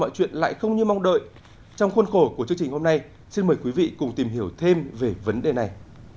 xin mời quý vị cùng tìm hiểu thêm về vấn đề này